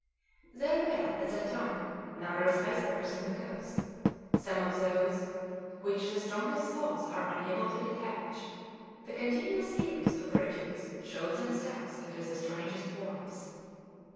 There were, at that time, numerous icebergs on the coasts, some of those which the strongest thaws are unable to detach; the continual series of ridges showed themselves under the strangest forms.